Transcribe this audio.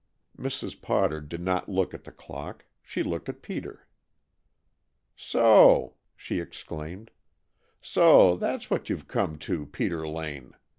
Mrs. Potter did not look at the clock. She looked at Peter. "So!" she exclaimed. "So that's what you've come to, Peter Lane!